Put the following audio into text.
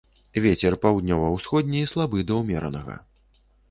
Вецер паўднёва-ўсходні слабы да ўмеранага.